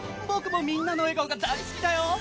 僕もみんなの笑顔が大好きだよ。